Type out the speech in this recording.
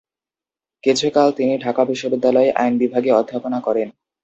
কিছুকাল তিনি ঢাকা বিশ্ববিদ্যালয়ে আইন বিভাগে অধ্যাপনা করেন।